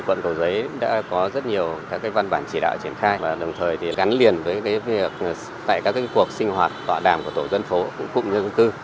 quận cầu giấy đã có rất nhiều các văn bản chỉ đạo triển khai và đồng thời gắn liền với việc tại các cuộc sinh hoạt tọa đàm của tổ dân phố cũng như dân cư